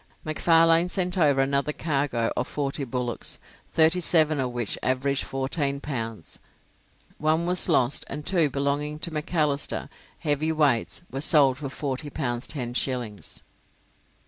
McFarlane sent over another cargo of forty bullocks, thirty seven of which averaged fourteen pounds; one was lost, and two belonging to Macalister, heavy weights, were sold for forty pounds ten shillings.